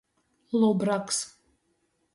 Lubraks.